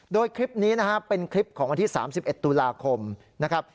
โดยคลิปนี้นะครับเป็นคลิปของวันที่๓๑ตุลาคมนะครับ